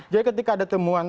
jadi ketika ada temuan